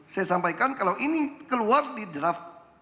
saya sampaikan kalau ini keluar di draft